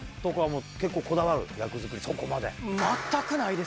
そこまで。